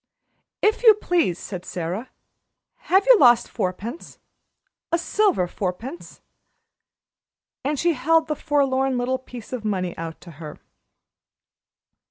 "If you please," said Sara, "have you lost fourpence a silver fourpence?" And she held the forlorn little piece of money out to her.